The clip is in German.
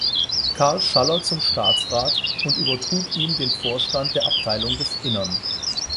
Karl Schaller zum Staatsrat und übertrug ihm den Vorstand der Abteilung des Innern.